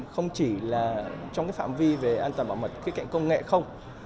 không chỉ là trong cái phạm vi về an toàn bảo mật kế cạnh công nghệ không